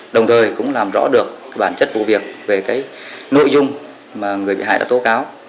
đồng thời cũng làm rõ được bản chất vụ việc về nội dung người bị hại đã tố cáo